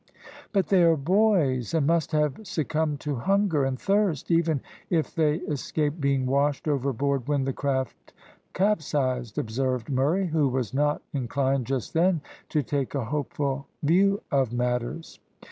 "But they are boys, and must have succumbed to hunger and thirst, even if they escaped being washed overboard when the craft capsized," observed Murray, who was not inclined just then to take a hopeful view of matters.